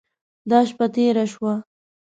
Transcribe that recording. دا شپه تېره شوه.